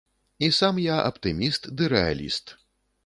І сам я аптыміст ды рэаліст.